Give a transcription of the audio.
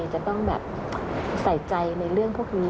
จะต้องแบบใส่ใจในเรื่องพวกนี้